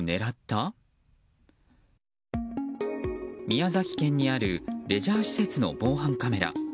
宮崎県にあるレジャー施設の防犯カメラ。